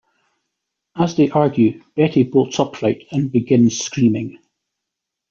As they argue, Betty bolts upright and begins screaming.